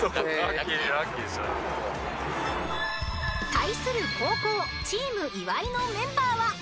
［対する後攻チーム岩井のメンバーは］